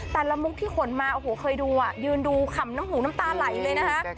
แต่ละมุกที่ขนมาโอ้โหเคยดูอ่ะยืนดูขำน้ำหูน้ำตาไหลเลยนะคะ